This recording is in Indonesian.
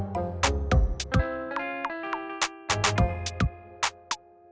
jadilah kita mundur